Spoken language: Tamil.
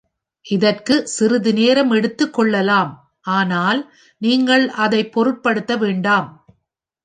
இதற்கு சிறிது நேரம் எடுத்துக் கொள்ளலாம், ஆனால் நீங்கள் அதைப் பொருட்படுத்த வேண்டாம்.